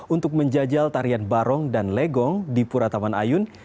untuk menjajal tarian barong dan legong di pura taman ayun